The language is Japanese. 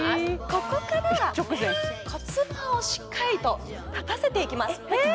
ここから骨盤をしっかりと立たせていきます